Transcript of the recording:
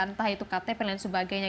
entah itu ktp dan sebagainya